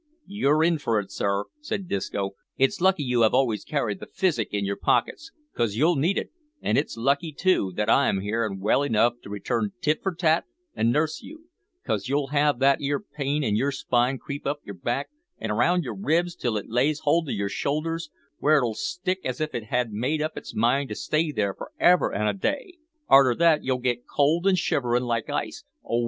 "You're in for it sir," said Disco. "It's lucky you have always carried the physic in your pockets, 'cause you'll need it, an' it's lucky, too, that I am here and well enough to return tit for tat and nurse you, 'cause you'll have that 'ere pain in your spine creep up your back and round your ribs till it lays hold of yer shoulders, where it'll stick as if it had made up its mind to stay there for ever an' a day. Arter that you'll get cold an' shivering like ice oh!